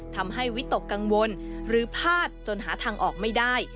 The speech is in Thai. วิตกกังวลหรือพลาดจนหาทางออกไม่ได้